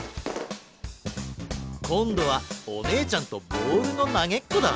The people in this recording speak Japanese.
こんどはおねえちゃんとボールのなげっこだ。